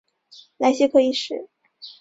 莱谢克一世。